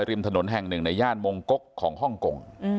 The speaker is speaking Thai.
ในริมทนแห่งหนึ่งอย่างมงกล๊กของฮ่อล์งโกง